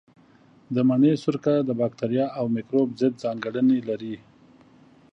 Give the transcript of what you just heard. د مڼې سرکه د باکتریا او مېکروب ضد ځانګړنې لري.